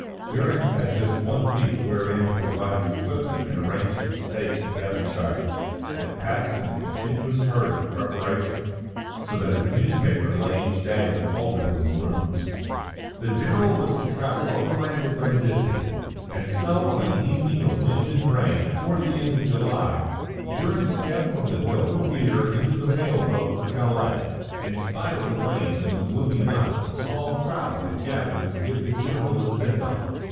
Durrance had just one week wherein to provide his equipment and arrange his estate in Devonshire. It passed in a continuous hurry of preparation, so that his newspaper lay each day unfolded in his rooms. The general was to travel overland to Brindisi; and so on an evening of wind and rain, toward the end of July, Durrance stepped from the Dover pier into the mail boat for Calais. In spite of the rain and the gloomy night, a small crowd had gathered to give the general a send off.